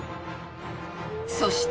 そして。